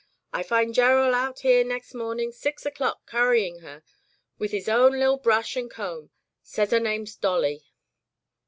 I fin' Gerald out here nex' mormn' six o'clock curryin' her with his own lil brush an' comb. Says 'er name's Dolly."